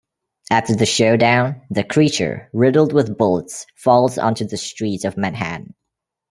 After the showdown, the creature, riddled with bullets, falls onto the streets of Manhattan.